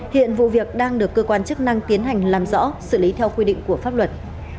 hiện vụ việc đang được cơ quan chức năng tiến hành làm rõ xử lý theo quy định của pháp luật